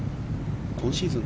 今シーズン